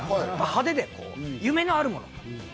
派手で夢のあるもの。